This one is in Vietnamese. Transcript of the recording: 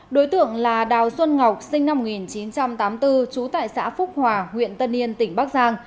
đối tượng là đào xuân ngọc sinh năm một nghìn chín trăm tám mươi bốn trú tại xã phúc hòa huyện tân yên tỉnh bắc giang